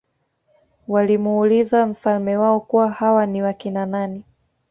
walimuuliza mfalme wao kuwa hawa ni wakina nani